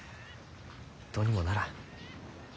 どうにもならん。